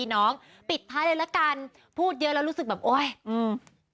น้องปิดท้ายเลยละกันพูดเยอะแล้วรู้สึกแบบโอ๊ยอืม